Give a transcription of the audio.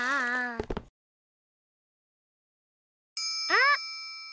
あっ！